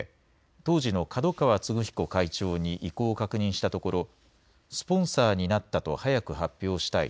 当時の角川歴彦会長に意向を確認したところスポンサーになったと早く発表したい。